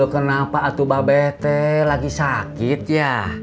kenapa atu ba be lagi sakit ya